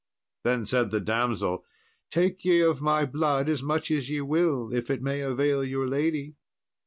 Then said the damsel, "Take ye of my blood as much as ye will, if it may avail your lady."